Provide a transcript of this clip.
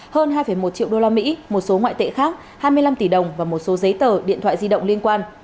hơn hai một triệu usd một số ngoại tệ khác hai mươi năm tỷ đồng và một số giấy tờ điện thoại di động liên quan